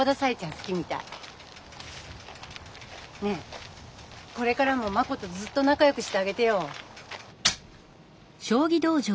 ねえこれからもマコとずっとなかよくしてあげてよ。